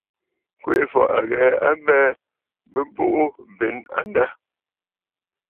Kwèʼefɔ̀ à ghɛ̀ɛ a abɛɛ bɨ̀bùʼù benə̀ a ndâ.